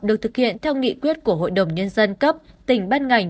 được thực hiện theo nghị quyết của hội đồng nhân dân cấp tỉnh ban ngành